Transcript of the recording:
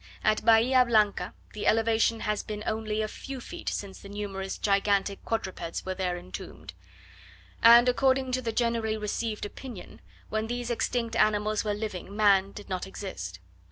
At Bahia Blanca, the elevation has been only a few feet since the numerous gigantic quadrupeds were there entombed; and, according to the generally received opinion, when these extinct animals were living, man did not exist.